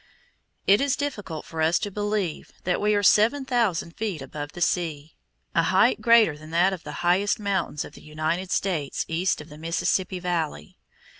It is difficult for us to believe that we are seven thousand feet above the sea, a height greater than that of the highest mountains in the United States east of the Mississippi Valley.